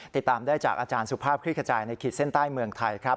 ติดตามได้จากอาจารย์สุภาพคลิกขจายในขีดเส้นใต้เมืองไทยครับ